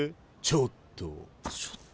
「ちょっと」？